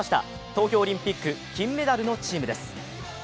東京オリンピック金メダルのチームです。